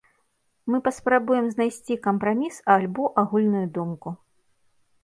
Мы паспрабуем знайсці кампраміс альбо агульную думку.